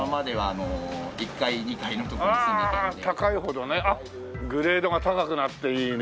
あ高いほどねグレードが高くなっていいね。